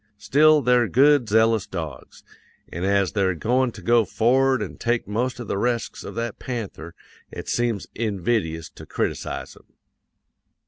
Still, they're good, zealous dogs; an' as they're going to go for'ard an' take most of the resks of that panther, it seems invidious to criticize 'em.